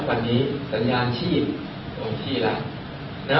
วันนี้สัญญาณชีพเต็มที่แล้ว